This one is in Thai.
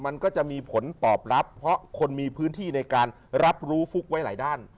มันก็จะมีผลตอบรับเพราะคนมีพื้นที่ในการรับรู้ฟุกไว้หลายด้าน